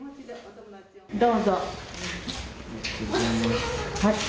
どうぞ。